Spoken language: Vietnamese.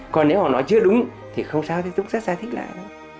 còn nếu họ nói chưa đúng thì không sao chúng ta sẽ giải thích lại